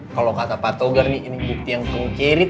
kalo kata pak togar nih ini bukti yang kekirit